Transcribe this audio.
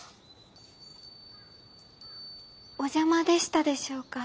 お邪魔でしたでしょうか？